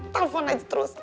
telepon lagi terus